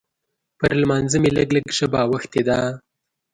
پر لمانځه مې لږ لږ ژبه اوښتې ده.